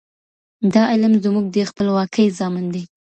دا علم زموږ د خپلواکۍ ضامن دی.